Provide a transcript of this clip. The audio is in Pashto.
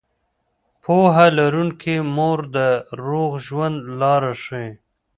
پوهه لرونکې مور د روغ ژوند لاره ښيي.